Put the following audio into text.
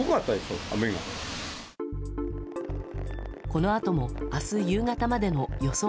このあとも明日夕方までの予想